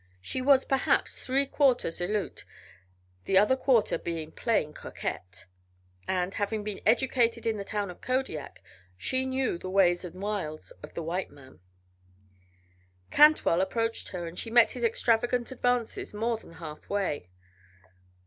She was perhaps three quarters Aleut, the other quarter being plain coquette, and, having been educated at the town of Kodiak, she knew the ways and the wiles of the white man. Cantwell approached her, and she met his extravagant advances more than halfway.